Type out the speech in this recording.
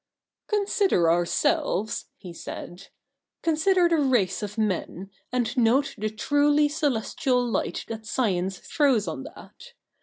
' Consider ourselves,' he said, ' consider the race of men, and note the truly celestial light that science throws on that.